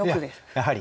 やはり。